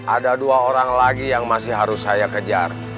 ada dua orang lagi yang masih harus saya kejar